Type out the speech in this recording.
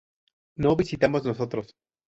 ¿No visitamos nosotros?